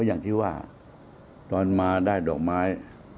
อย่างที่ว่าตอนมาได้ดอกไม้